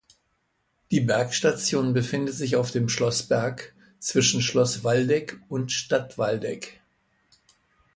Die Bergstation befindet sich auf dem "Schlossberg" zwischen Schloss Waldeck und Stadt Waldeck.